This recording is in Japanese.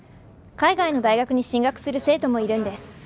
海外の大学に進学する生徒もいるんです。